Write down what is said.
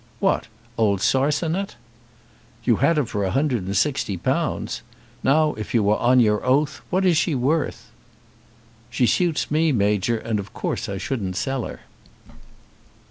"What, old Sarcinet?" "You had her for one hundred and sixty pounds. Now, if you were on your oath, what is she worth?" "She suits me, Major, and of course I shouldn't sell her."